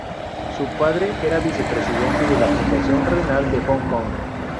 Su padre era vicepresidente de la Fundación Renal de Hong Kong.